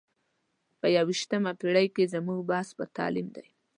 په یو ویشتمه پېړۍ کې زموږ بحث پر تعلیم دی.